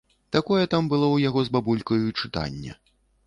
Такое там было ў яго з бабулькаю і чытанне.